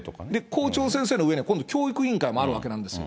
校長先生の上には、教育委員会もあるわけなんですよ。